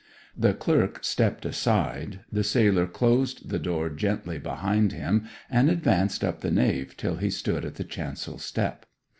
The clerk stepped aside, the sailor closed the door gently behind him, and advanced up the nave till he stood at the chancel step.